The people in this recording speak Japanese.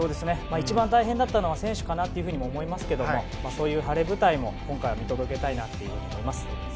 一番大変だったのは選手かなと思いますけどもそういう晴れ舞台も今回は見届けたいなと思います。